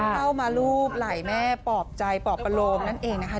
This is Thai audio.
เข้ามารูปไหล่แม่ปลอบใจปอบประโลมนั่นเองนะคะ